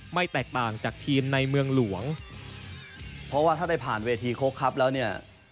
ไม่แตกต่างจากทีมในเมืองหลวงเพราะว่าถ้าได้ผ่านเวทีโค้กครับแล้วเนี่ย